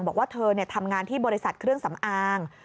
บอกว่าเธอทำงานที่บริษัทเครื่องสำอาง